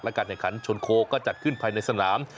การแข่งขันชนโคก็จัดขึ้นภายในสนาม